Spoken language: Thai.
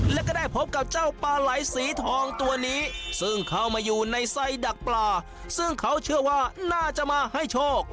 แล้วก็ได้พบกับเจ้าปลาไหลสีทองตัวนี้ซึ่งเข้ามาอยู่ในไส้ดักปลาซึ่งเขาเชื่อว่าน่าจะมาให้โชค